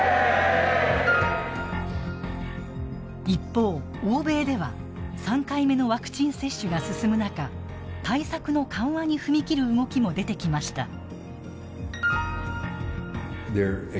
一方、欧米では３回目のワクチン接種が進む中対策の緩和に踏み切る動きも出てきました。